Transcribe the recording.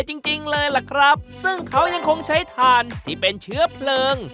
จริงจริงเลยล่ะครับซึ่งเขายังคงใช้ถ่านที่เป็นเชื้อเพลิง